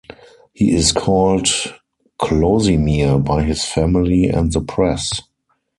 He is called 'Clausimir' by his family and the press.